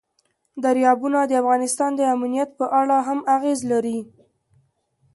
دریابونه د افغانستان د امنیت په اړه هم اغېز لري.